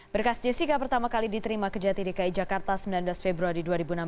berkas jessica pertama kali diterima kejati dki jakarta sembilan belas februari dua ribu enam belas